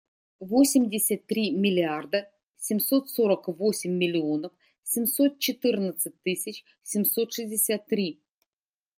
Восемьдесят три миллиарда семьсот сорок восемь миллионов семьсот четырнадцать тысяч семьсот шестьдесят три.